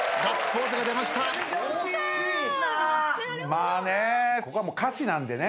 まあね